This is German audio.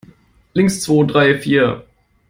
Links, zwo, drei, vier!